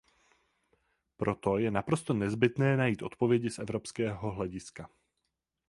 Proto je naprosto nezbytné najít odpovědi z evropského hlediska.